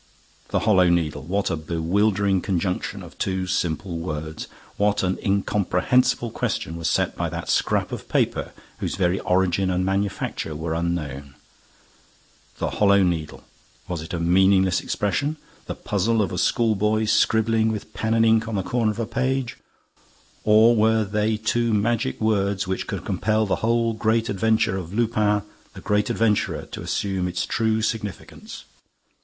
The Hollow Needle! What a bewildering conjunction of two simple words! What an incomprehensible question was set by that scrap of paper, whose very origin and manufacture were unknown! The Hollow Needle! Was it a meaningless expression, the puzzle of a schoolboy scribbling with pen and ink on the corner of a page? Or were they two magic words which could compel the whole great adventure of Lupin the great adventurer to assume its true significance?